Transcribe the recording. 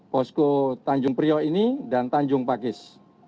posko tanjung priok ini dan tanjung pakis